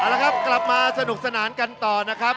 เอาละครับกลับมาสนุกสนานกันต่อนะครับ